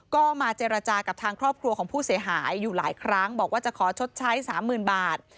ก็มาเจรจากับทางครอบครัวของผู้เสียหายอยู่หลายครั้งบอกว่าจะขอชดใช้สามหมื่นบาท